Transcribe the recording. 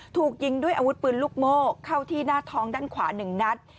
ถูกยิงด้วยอาวุธปืนลูกโม่เข้าที่หน้าท้องด้านขวา๑นัด